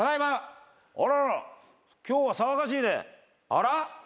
あら？